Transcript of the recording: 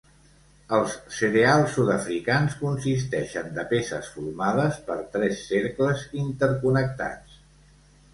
Els cereals sud-africans consisteixen de peces formades per tres cercles interconnectats.